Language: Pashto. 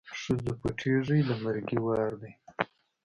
ښځو پټېږی د مرګي وار دی